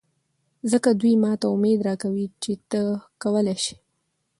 ځکه دوي ماته اميد راکوه چې ته کولې شې.